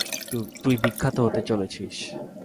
তুই বিখ্যাত হতে চলেছিস!